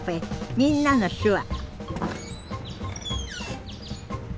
「みんなの手話」